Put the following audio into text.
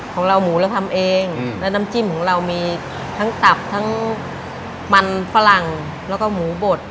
ของเราหมูเราทำเองและน้ำจิ้มของเรามีทั้งตับทั้งมันฝรั่งแล้วก็หมูบด